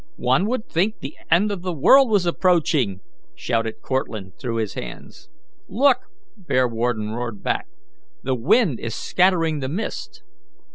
"One would think the end of the world was approaching!" shouted Cortlandt through his hands. "Look!" Bearwarden roared back, "the wind is scattering the mist."